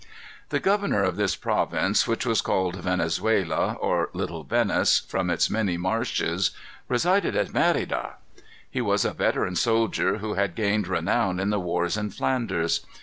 The governor of this province, which was called Venezuela, or Little Venice, from its many marshes, resided at Merida. He was a veteran soldier, who had gained renown in the wars in Flanders.